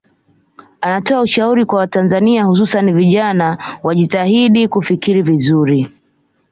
Anatoa ushauri kwa Watanzania hususani vijana wajitahidi kufikiri vizuri